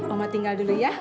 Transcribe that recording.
oma tinggal dulu ya